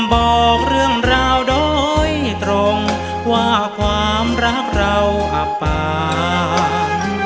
บอกเรื่องราวโดยตรงว่าความรักเราอับปาง